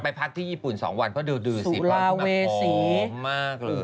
ไปพักที่ญี่ปุ่น๒วันเพราะดูสีพร้อมขึ้นมากพร้อมมากเลย